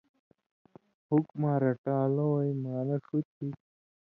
حُکماں رٹان٘لویں معنہ ݜُو تھی